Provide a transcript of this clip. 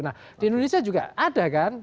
nah di indonesia juga ada kan